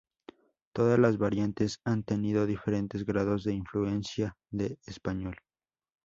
Todas las variantes han tenido diferentes grados de influencia de español.